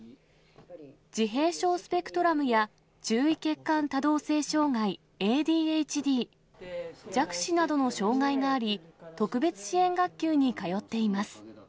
自閉症スペクトラムや注意欠陥多動性障害・ＡＤＨＤ、弱視などの障害があり、特別支援学級に通っています。